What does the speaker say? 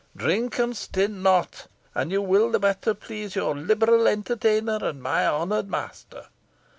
Drink and stint not, and you will the better please your liberal entertainer and my honoured master."